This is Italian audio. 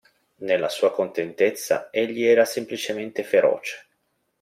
Nella sua contentezza egli era semplicemente feroce.